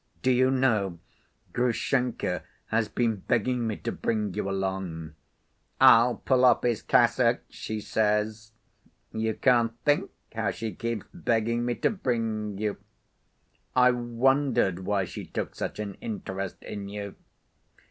Do you know, Grushenka has been begging me to bring you along. 'I'll pull off his cassock,' she says. You can't think how she keeps begging me to bring you. I wondered why she took such an interest in you.